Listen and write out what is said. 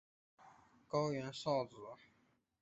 高原苕子